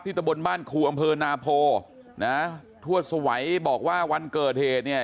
ตะบนบ้านครูอำเภอนาโพนะทวดสวัยบอกว่าวันเกิดเหตุเนี่ย